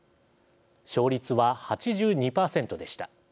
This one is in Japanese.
勝率は８２％でした。